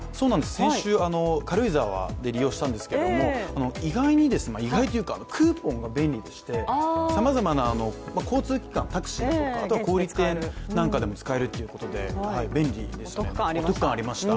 先週、軽井沢で利用したんですけれども意外に、クーポンが便利でしてさまざまな交通機関、タクシーだとか小売店でも使えるということで便利でしたよ。